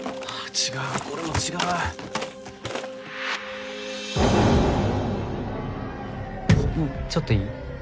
違うこれも違うちょっといい？